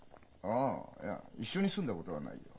ああいや一緒に住んだことはないよ。